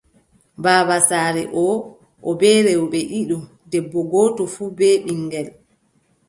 Baaba saare oo, o bee rewɓe ɗiɗo, debbo gooto fuu bee ɓiŋngel.